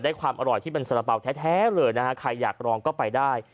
ความอร่อยที่เป็นสาระเป๋าแท้เลยนะฮะใครอยากลองก็ไปได้